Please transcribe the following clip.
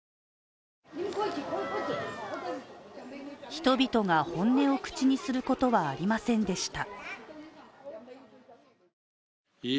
人々が本音を口にすることはありませんでした。